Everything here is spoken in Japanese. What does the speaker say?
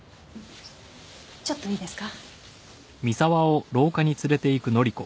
ちょっといいですか？